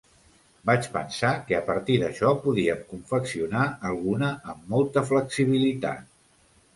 Vaig pensar que a partir d'això podíem confeccionar alguna amb molta flexibilitat.